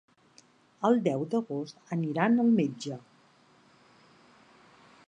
El deu d'agost aniran al metge.